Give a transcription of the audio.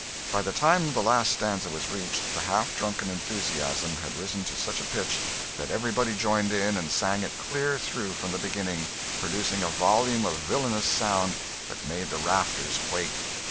By the time the last stanza was reached, the half drunken enthusiasm had risen to such a pitch, that everybody joined in and sang it clear through from the beginning, producing a volume of villainous sound that made the rafters quake.